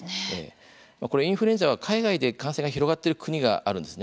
これインフルエンザは海外で感染が広がっている国があるんですね。